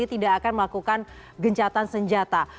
tidak akan melakukan gencatan senjata